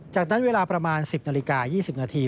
จากนั้นเวลาประมาณ๑๐นาฬิกา๒๐นาที